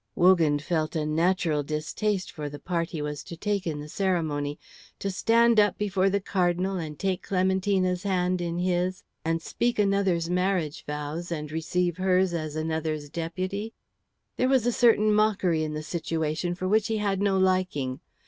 Wogan felt a natural distaste for the part he was to take in the ceremony. To stand up before the Cardinal and take Clementina's hand in his, and speak another's marriage vows and receive hers as another's deputy, there was a certain mockery in the situation for which he had no liking.